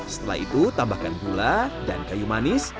setelah itu tambahkan gula dan kayu manis